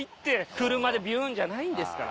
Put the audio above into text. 車でビュンじゃないんですから。